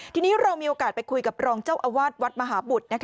ทีนี้เรามีโอกาสไปคุยกับรองเจ้าอาวาสวัดมหาบุตร